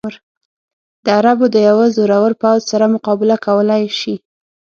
د عربو د یوه زورور پوځ سره مقابله کولای شي.